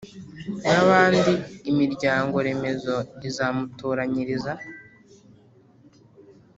n’abandi imiryango remezo izamutoranyiriza